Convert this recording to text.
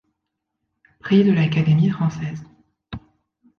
Prix de l'Académie française.